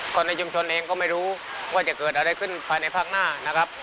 คนในชุมชนเองก็ไม่รู้ว่าจะเกิดอะไรขึ้นภายในภาคหน้านะครับ